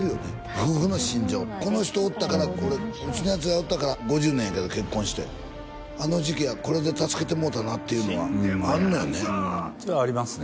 夫婦の心情この人おったからうちのヤツがおったから５０年やけど結婚してあの時期はこれで助けてもろうたなっていうのがあんのよねありますね